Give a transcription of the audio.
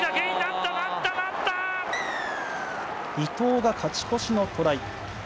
伊藤が勝ち越しのトライ。